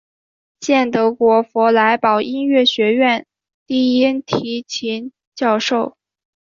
现德国弗莱堡音乐学院低音提琴教授。